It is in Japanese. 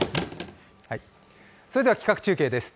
それでは企画中継です。